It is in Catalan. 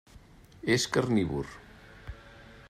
És carnívor.